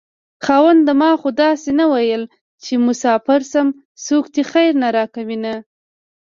خاونده ما خو داسې نه وېل چې مساپر شم څوک دې خير نه راکوينه